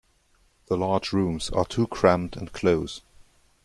The large rooms are too cramped and close.